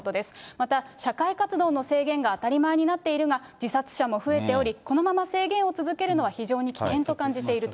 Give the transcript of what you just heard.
また、社会活動の制限が当たり前になっているが、自殺者も増えており、このまま制限を続けるのは非常に危険と感じていると。